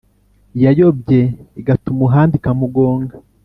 yayobye igata umuhanda ikamugonga.